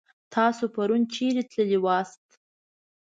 تاسو پرون چيرې تللي واست؟